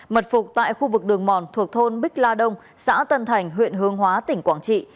mật phục tại khu vực đường mòn thuộc thôn bích la đông xã tân thành huyện hướng hóa tỉnh quảng trị